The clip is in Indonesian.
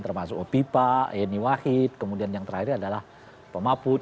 termasuk opipa yeni wahid kemudian yang terakhir adalah pak mahfud